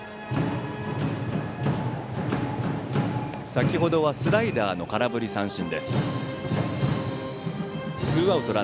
先程はスライダーの空振り三振。